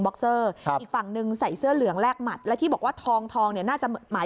ทองได้เยอะเลยอ่ะเดินหนีเลยอ่ะ